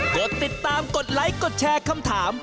กดติดตามกดไลค์กดแชร์คำถาม